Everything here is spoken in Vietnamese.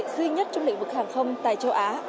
duy nhất trong lĩnh vực hàng không tại châu á